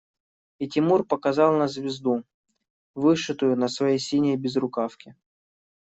И Тимур показал на звезду, вышитую на своей синей безрукавке.